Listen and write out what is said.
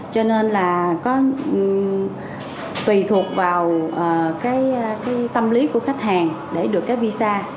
cho nên là có tùy thuộc vào cái tâm lý của khách hàng để được cái visa